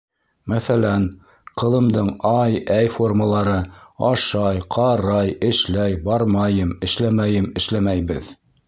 Мәҫәлән, ҡылымдың -ай, -әй формалары: ашай, ҡарай, эшләй, бармайым, эшләмәйем, эшләмәйбеҙ.